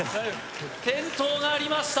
転倒がありました